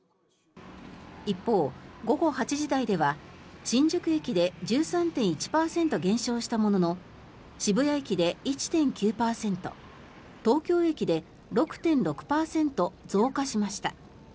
一方、午後８時台では新宿駅で１３．１％減少したものの渋谷駅で１．９％東京駅で６．６％増加しました。